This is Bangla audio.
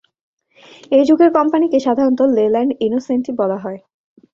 এই যুগের কোম্পানিকে সাধারণত লেল্যান্ড ইনোসেন্টি বলা হয়।